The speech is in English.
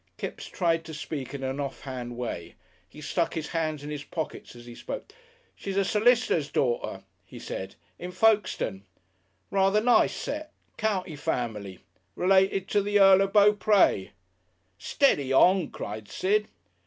Kipps tried to speak in an offhand way. He stuck his hands in his pockets as he spoke. "She's a solicitor's daughter," he said, "in Folkestone. Rather'r nice set. County family. Related to the Earl of Beaupres " "Steady on!" cried Sid.